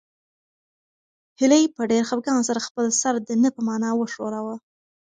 هیلې په ډېر خپګان سره خپل سر د نه په مانا وښوراوه.